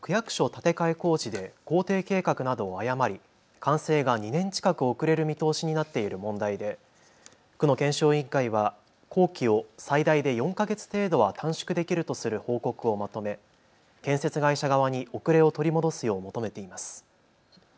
建て替え工事で工程計画などを誤り完成が２年近く遅れる見通しになっている問題で区の検証委員会は工期を最大で４か月程度は短縮できるとする報告をまとめ建設会社側に遅れを取り戻すよう求めています。